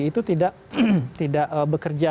itu tidak bekerja